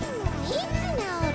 いつなおるの？